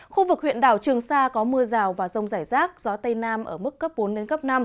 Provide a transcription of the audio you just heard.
khu vực huyện đảo trường sa có mưa rào và rông rải rác gió tây nam ở mức cấp bốn đến cấp năm